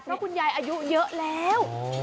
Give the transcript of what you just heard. เพราะคุณยายอายุเยอะแล้ว